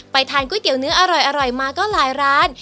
ทานก๋วยเตี๋ยเนื้ออร่อยมาก็หลายร้าน